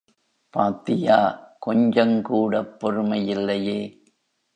பாத்தியா கொஞ்சங்கூடப் பொறுமையில்லையே!